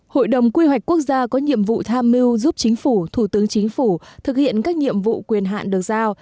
hội đồng quy hoạch quốc gia có nhiệm vụ tham mưu giúp chính phủ thủ tướng chính phủ thực hiện các nhiệm vụ quyền hạn được giao